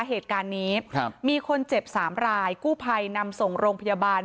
เหตุการณ์นี้ครับมีคนเจ็บสามรายกู้ภัยนำส่งโรงพยาบาล